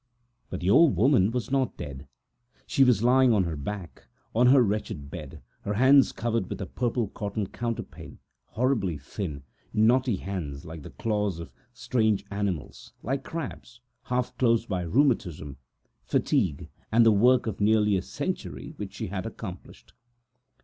But the old woman was not dead. She was lying on her back, on her wretched bed, her hands covered with a pink cotton counterpane, horribly thin, knotty paws, like some strange animal's, or like crabs' claws, hands closed by rheumatism, fatigue, and the work of nearly a century which she had accomplished.